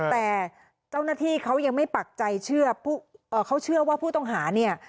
แต่เจ้าหน้าที่เขายังไม่ปักใจเขาเชื่อว่าผู้ต้องหา